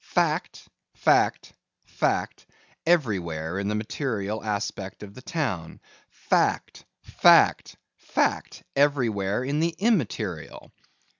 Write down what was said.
Fact, fact, fact, everywhere in the material aspect of the town; fact, fact, fact, everywhere in the immaterial.